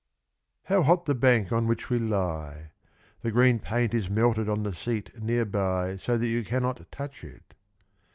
'WHITSUN.' HOW hot the bank on which we lie ! The green paint is melted On the seat near by So that you cannot touch it